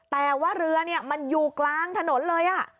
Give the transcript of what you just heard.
แต่ว่าเรือมันอยู่กลางถนนเลย